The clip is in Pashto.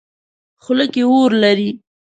خوله کې اور لري.